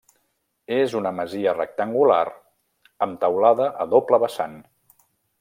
És una masia rectangular amb teulada a doble vessant.